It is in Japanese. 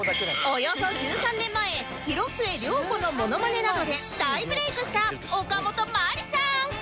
およそ１３年前広末涼子のモノマネなどで大ブレイクしたおかもとまりさん